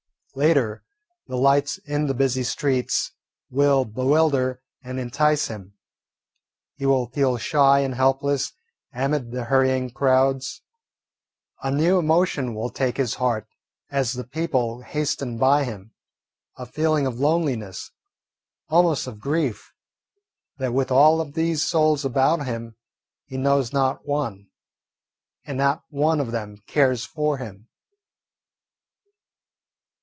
Later, the lights in the busy streets will bewilder and entice him. He will feel shy and helpless amid the hurrying crowds. A new emotion will take his heart as the people hasten by him, a feeling of loneliness, almost of grief, that with all of these souls about him he knows not one and not one of them cares for him.